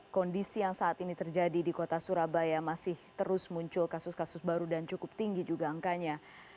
kondisi yang saat ini terjadi di kota surabaya masih terus muncul kasus kasus baru dan cukup tinggi juga angkanya